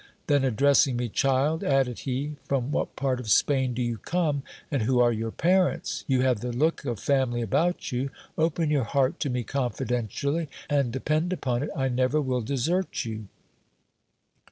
Then, addressing me, Child, added he, from what part of Spain do you come, and who are your parents ? You have the look of family about you. Open your heart to me confidentially, and depend upon it, I never will desert you.